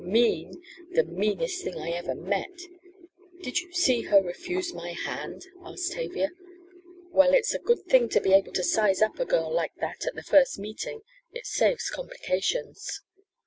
"Mean! The meanest thing I ever met! Did you see her refuse my hand?" asked Tavia. "Well, it's a good thing to be able to size up a girl like that at the first meeting; it saves complications.